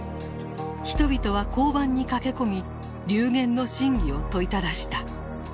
人々は交番に駆け込み流言の真偽を問いただした。